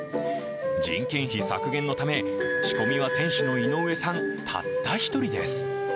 人件費削減のため仕込みは店主の井上さん、たった１人です。